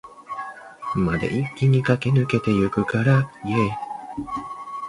大型基础模型的研究突破，极大地推动了语音处理技术的发展。